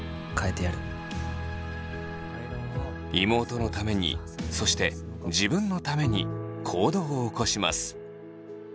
妹のためにそして自分のために行動を起こします。